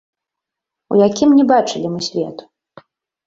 У якім не бачылі мы свету.